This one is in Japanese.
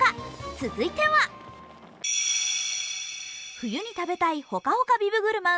続いては、冬に食べたいほかほかビブグルマン